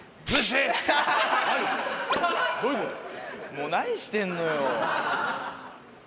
もう何してんのよ！